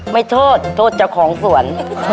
ไม่โทษโทษเจ้าของสวน